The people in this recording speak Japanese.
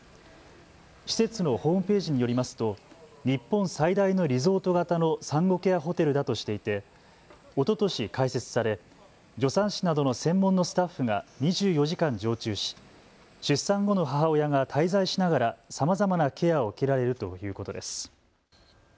施設のホームページによりますと日本最大のリゾート型の産後ケアホテルだとしていておととし開設され助産師などの専門のスタッフが２４時間常駐し出産後の母親が滞在しながらさまざまなケアを受けられるということです。